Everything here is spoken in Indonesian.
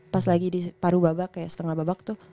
pas lagi di paru babak kayak setengah babak tuh